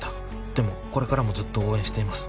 でも、これからもずっと応援しています。